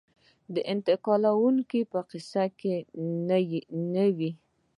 د انتقاد کوونکو په قصه کې نه وي .